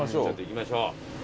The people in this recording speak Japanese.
行きましょう。